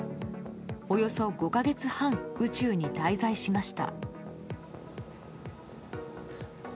およそ５か月半宇宙に滞在しました。